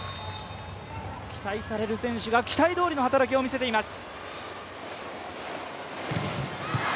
期待される選手が期待通りの働きをみせています。